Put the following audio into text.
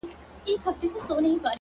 سیاه پوسي ده’ ماسوم یې ژاړي’